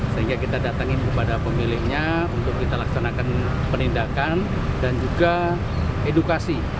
sehingga kita datangin kepada pemilihnya untuk kita laksanakan penindakan dan juga edukasi